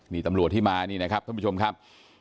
นี่ตำรวจที่มานี่นะครับท่านผู้ชมครับ